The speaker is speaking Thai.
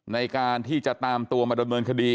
ในการที่จะตามตัวมาดำเนินคดี